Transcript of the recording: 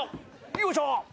よいしょ。